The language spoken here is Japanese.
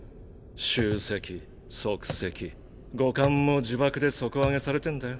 臭跡足跡五感も呪縛で底上げされてんだよ。